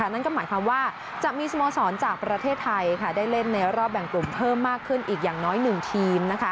นั่นก็หมายความว่าจะมีสโมสรจากประเทศไทยได้เล่นในรอบแบ่งกลุ่มเพิ่มมากขึ้นอีกอย่างน้อย๑ทีม